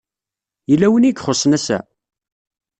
Yella win ay ixuṣṣen ass-a?